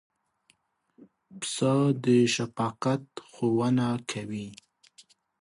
پسه د شفقت ښوونه کوي.